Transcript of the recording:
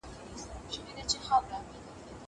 زه اوږده وخت ونې ته اوبه ورکوم!!